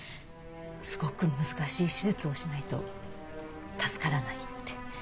すごく難しい手術をしないと助からないって。